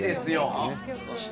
そして。